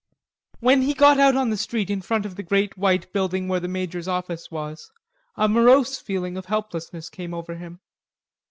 When he got out on the street in front of the great white building where the major's office was, a morose feeling of helplessness came over him.